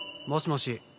もしもし？